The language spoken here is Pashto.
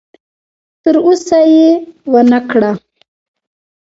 تر اوسه یې ونه کړه.